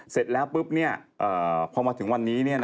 เสร็จแล้วปุ๊บพอมาถึงวันนี้